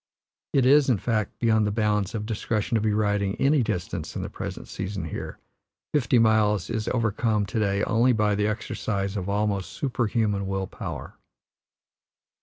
It is, in fact, beyond the bounds of discretion to be riding any distance in the present season here; fifty miles is overcome to day only by the exercise of almost superhuman will power.